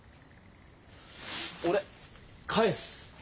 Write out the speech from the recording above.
俺返す！